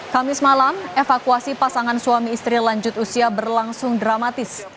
kamis malam evakuasi pasangan suami istri lanjut usia berlangsung dramatis